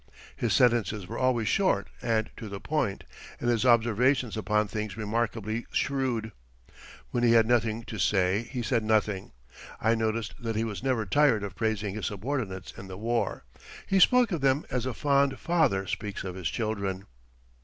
His sentences were always short and to the point, and his observations upon things remarkably shrewd. When he had nothing to say he said nothing. I noticed that he was never tired of praising his subordinates in the war. He spoke of them as a fond father speaks of his children.